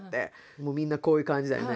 もうみんなこういう感じだよね。